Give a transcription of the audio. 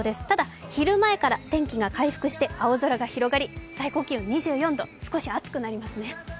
ただ昼前から天気が回復して青空が広がり最高気温２４度少し暑くなりますね。